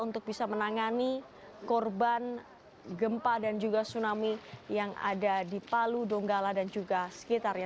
untuk bisa menangani korban gempa dan juga tsunami yang ada di palu donggala dan juga sekitarnya